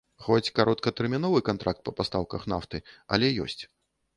Хоць кароткатэрміновы кантракт па пастаўках нафты, але ёсць.